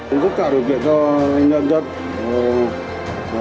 công an cấp cơ sở được thực hiện cho hành động rất nhanh hơn gọn hơn